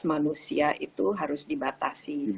manusia itu harus dibatasi